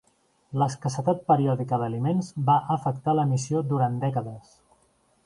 L'escassetat periòdica d'aliments va afectar la missió durant dècades.